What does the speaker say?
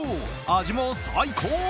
味も最高！